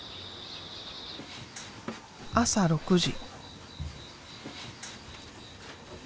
朝６時。